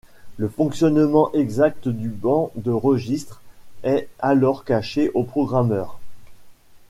Le fonctionnement exact du banc de registres est alors caché au programmeur.